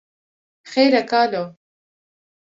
Xêr e kalo